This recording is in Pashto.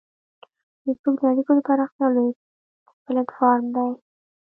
فېسبوک د اړیکو د پراختیا لوی پلیټ فارم دی